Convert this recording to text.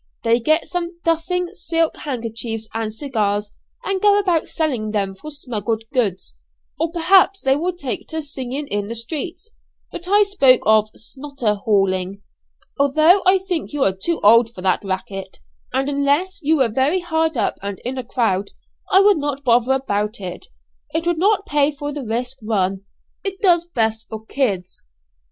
They get some 'duffing' silk handkerchiefs and cigars, and go about selling them for smuggled goods; or perhaps they will take to singing in the streets. But I spoke of 'snotter hauling.' Although I think you are too old for that 'racket' and unless you were very hard up and in a crowd, I would not bother about it. It would not pay for the risk run. It does best for 'kids.'